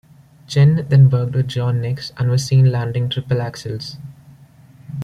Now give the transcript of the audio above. Chin then worked with John Nicks and was seen landing triple axels.